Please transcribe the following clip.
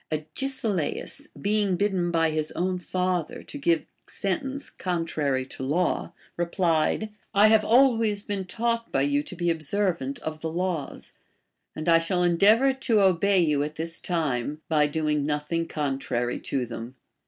Agesilaus, being bidden by his own father to give sentence contrary to law, replied : I have been always taught by you to be observant of the laws, and I shall endeavor to obey you at this time, by domg nothing contrary to them.